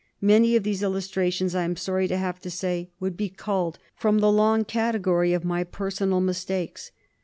Many of these illustrations, I am sorry to have to say, would be culled from the long category of my personal mistakes.